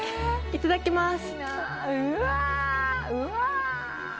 いただきます。